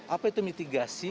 apa itu mitigasi